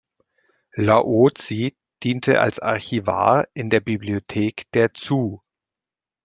Laozi diente als Archivar in der Bibliothek der Zhōu.